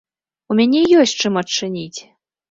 У мяне ёсць чым адчыніць!